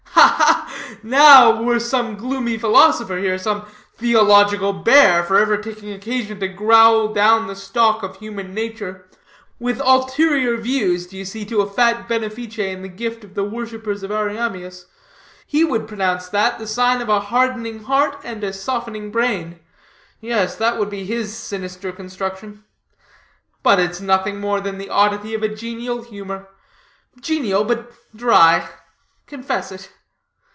"Ha ha! now were some gloomy philosopher here, some theological bear, forever taking occasion to growl down the stock of human nature (with ulterior views, d'ye see, to a fat benefice in the gift of the worshipers of Ariamius), he would pronounce that the sign of a hardening heart and a softening brain. Yes, that would be his sinister construction. But it's nothing more than the oddity of a genial humor genial but dry. Confess it.